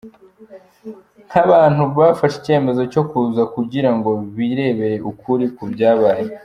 Nk’abantu bafashe icyemezo cyo kuza kugira ngo birebere ukuri ku byabaye.